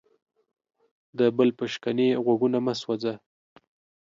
د بل په شکنې غوږونه مه سوځه.